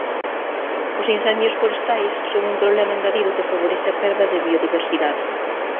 Os incendios forestais son un problema engadido que favorece a perda de biodiversidade.